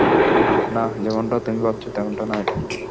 না, যেমনটা তুমি ভাবছো তেমনটা না এটা।